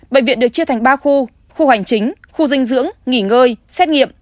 bệnh viện được chia thành ba khu khu hành chính khu dinh dưỡng nghỉ ngơi xét nghiệm